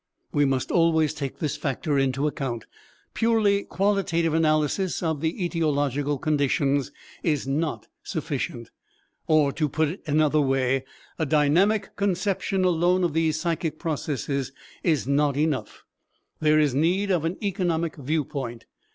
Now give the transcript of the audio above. We must always take this factor into account. Purely qualitative analysis of the etiological conditions is not sufficient. Or, to put it in another way, a dynamic conception alone of these psychic processes is not enough; there is need of an economic viewpoint.